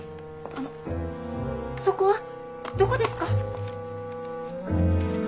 あのそこはどこですか？